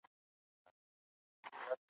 په ساعت تیرۍ کي افراط د لیونتوب نښه ده.